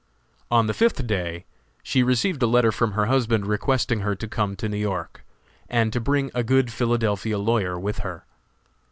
On the fifth day she received a letter from her husband requesting her to come to New York, and to bring a good Philadelphia lawyer with her.